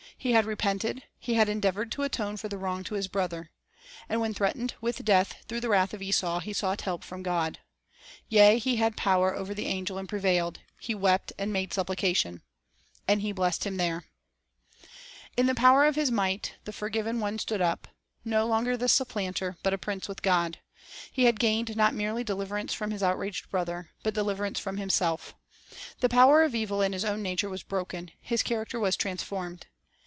He had repented, he had endeavored to atone for the wrong to his brother. And when threatened with death through the wrath of Esau, he sought help from God. "Yea, he had power over the Angel, and prevailed; he wept, Gain 1 i 1 • i> aittii t 1 • 1 mo through and made supplication. "And He blessed him there. 2 Loss In the power of His might the forgiven one stood up, no longer the supplanter, but a prince with God. He had gained not merely deliverance from his outraged brother, but deliverance from himself. The power of evil in his own nature was broken; his character was transformed.